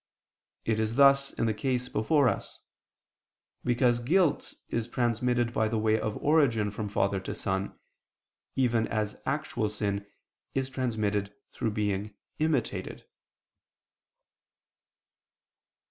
It is thus in the case before us: because guilt is transmitted by the way of origin from father to son, even as actual sin is transmitted through being imitated.